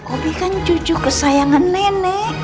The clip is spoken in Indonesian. obi kan cucu kesayangan nenek